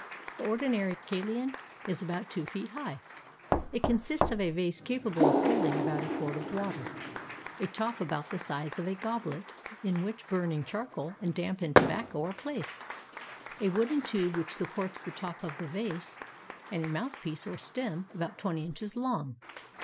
The ordinary kalean is about two feet high. It con sists of a vase capable of holding about a quart of water, a top about the size of a goblet, in which burning char coal and dampened tobacco are placed, a wooden tube 441 PERSIA which supports the top on the vase, and a mouthpiece or stem about twenty inches long.